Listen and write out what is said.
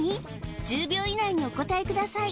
１０秒以内にお答えください